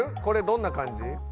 これどんな感じ？